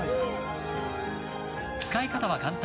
使い方は簡単！